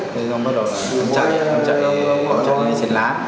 thế rồi bắt đầu là anh chạy anh chạy anh chạy lên trên lá